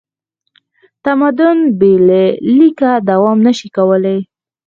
تمدن بې له لیکه دوام نه شي کولی.